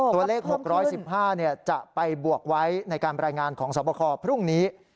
ตัวเลข๖๑๕จะไปบวกไว้ในการรายงานของสวบคพรุ่งนี้